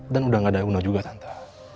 dan udah gak ada yang udah juga tante